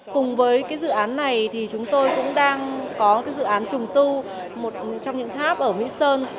cùng với dự án này thì chúng tôi cũng đang có dự án trùng tu một trong những tháp ở mỹ sơn